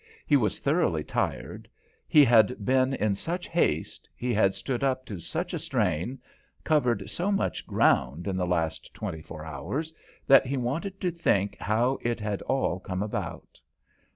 He was thoroughly tired; he had been in such haste, he had stood up to such a strain, covered so much ground in the last twenty four hours, that he wanted to think how it had all come about.